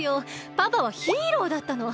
パパはヒーローだったの。